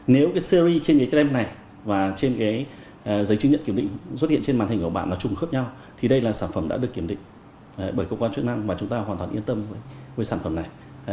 nếu cái series trên cái tem này và trên cái giấy chứng nhận kiểm định xuất hiện trên màn hình của bạn nó trùng khớp nhau thì đây là sản phẩm đã được kiểm định bởi cơ quan chức năng và chúng ta hoàn toàn yên tâm với sản phẩm này